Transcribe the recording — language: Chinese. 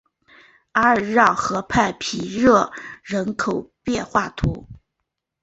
阿尔让河畔皮热人口变化图示